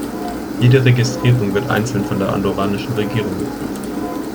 Jede Registrierung wird einzeln von der andorranischen Regierung geprüft.